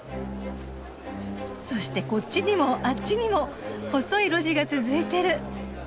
そしてこっちにもあっちにも細い路地が続いてる。